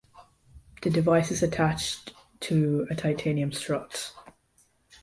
The device is attached to a titanium strut.